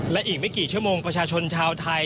และอีกไม่กี่ชั่วโมงประชาชนชาวไทย